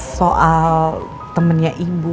soal temennya ibu